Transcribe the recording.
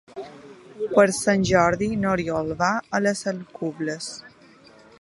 Per Sant Jordi n'Oriol va a les Alcubles.